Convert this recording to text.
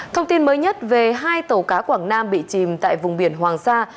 thông tin mới nhất về hai tàu cá quảng nam bị chìm tại vùng biển hoàng sa